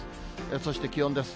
そして気温です。